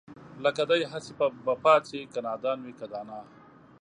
لکه دئ هسې به پاڅي که نادان وي که دانا